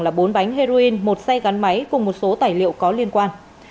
tăng vật thu giữ tại hiện trường là bốn bánh heroin một xe gắn máy cùng một số tài liệu có liên quan